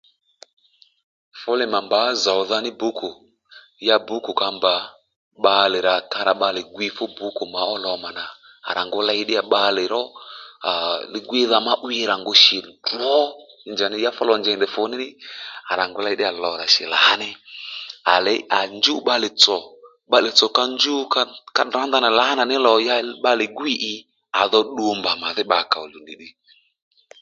Fú lì mà mbǎ zòwdha ní bǔkù ya bǔkù ka mbà bbalè rà ka rà bbalè gwiy fú bǔkù mà ó lò mà nà à rà ngu ley bbalè ró li gwíydha má 'wíy rà ngu shì drǒ njàddí ya fú lò njèy ndèy fùní nì à rà ngu ley ddíyà lò rà shì lǎní à léy à njúw bbalè tsò bbalè tsò ka njúw ka tdrǎ ndanà lǎnà ní lò ya bbalè gwîy ì à dho ddu mbà màdhí bbakǎ ò nì ddiy